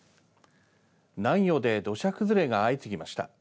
南予で土砂崩れが相次ぎました。